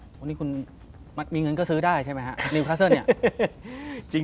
วันนี้คุณมีเงินก็ซื้อได้ใช่ไหมครับริวคัสเลิศเนี่ย